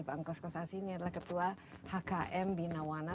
pak angkos kosasi ini adalah ketua hkm binawana